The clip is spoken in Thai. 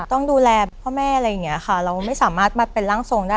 ต้องดูแลพ่อแม่อะไรอย่างเงี้ยค่ะเราไม่สามารถมาเป็นร่างทรงได้